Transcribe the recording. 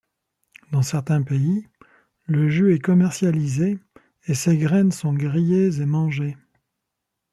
Dans certains pays le jus est commercialisé et ses graines sont grillées et mangées.